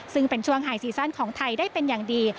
ซึ่งเป็นช่วงไฮซีซั่นของไทยได้เป็นอย่างดี